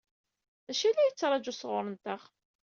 D acu i la yettṛaǧu sɣur-nteɣ?